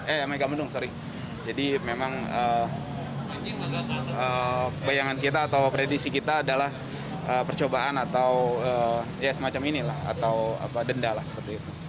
eh megamendung sorry jadi memang bayangan kita atau prediksi kita adalah percobaan atau ya semacam ini lah atau denda lah seperti itu